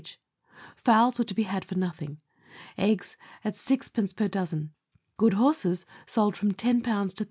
each. Fowls were to be had for nothing. Eggs, at 6d. per dozen Good horses sold from 10 to 30.